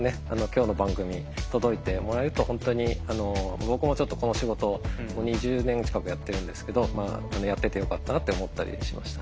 今日の番組届いてもらえると本当に僕もちょっとこの仕事２０年近くやってるんですけどやっててよかったなって思ったりしましたね。